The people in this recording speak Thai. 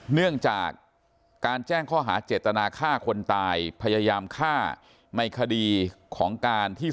เนื่องจากการแจ้งข้อหาเจตนาฆ่าคนตายพยายามฆ่าในคดีของการที่